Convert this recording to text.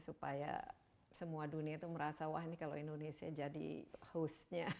supaya semua dunia itu merasa wah ini kalau indonesia jadi hostnya